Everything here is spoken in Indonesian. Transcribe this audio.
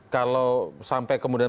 kalau sampai kemudian